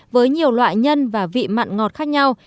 với nhiều loại nhân và vị mặn ngọt khác nhau